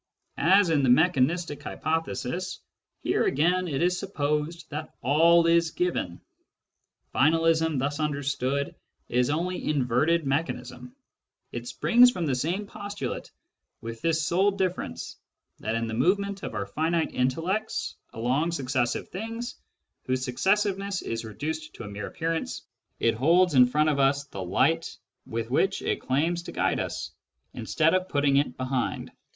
As in the mechanistic hypothesis, here again it is supposed that all is given. Finalism thus understood is only inverted mechanism. It springs from the same postulate, with this sole diflTerence, that in the movement of our finite intellects along successive things, whose successiveness is reduced to a mere appearance, it holds in front of us the light with which it claims to guide us, instead of putting it behind.